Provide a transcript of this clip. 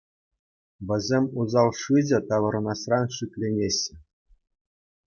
Вӗсем усал шыҫӑ таврӑнасран шикленеҫҫӗ.